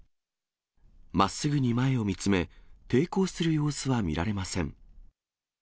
まっすぐに前を見つめ、抵抗する様子は見られません。